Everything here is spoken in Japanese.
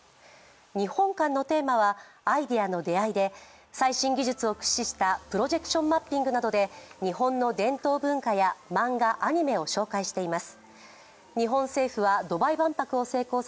日本館のテーマは「アイデアの出会い」で最新技術を駆使したプロジェクションマッピングなどで日本の伝統文化や漫画、アニメを紹介しています。